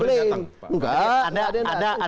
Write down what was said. tidak ada yang datang